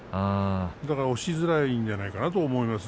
だから押しづらいんじゃないかと思います。